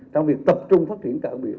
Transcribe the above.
trong việc tập trung phát triển cảng biển